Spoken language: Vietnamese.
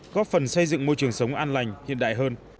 góp phần xây dựng môi trường sống an lành hiện đại hơn